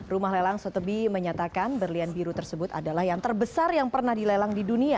rumah lelang sotebi menyatakan berlian biru tersebut adalah yang terbesar yang pernah dilelang di dunia